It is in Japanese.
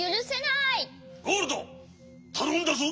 ゴールドたのんだぞ！